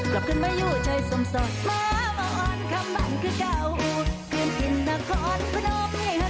เกลับขึ้นไปอยู่ใจส่มสอบมามาอ้อนคำบ้านคือเก่า